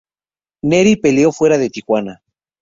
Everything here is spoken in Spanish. Nery peleó fuera de Tijuana.